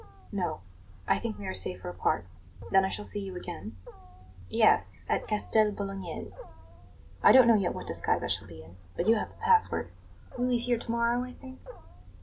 "No; I think we are safer apart. Then I shall see you again?" "Yes; at Castel Bolognese. I don't know yet what disguise I shall be in, but you have the password. You leave here to morrow, I think?"